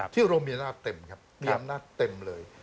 ที่เรามีอำนาจเต็มครับมีอำนาจเต็มเลย